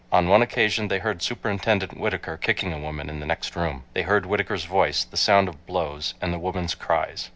On one occasion they heard Superintendent Whittaker kicking a woman in the next room. They heard Whittaker's voice, the sound of blows, and the woman's cries.